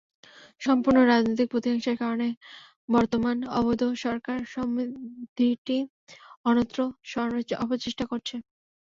সম্পূর্ণ রাজনৈতিক প্রতিহিংসার কারণে বর্তমান অবৈধ সরকার সমাধিটি অন্যত্র সরানোর অপচেষ্টা করছে।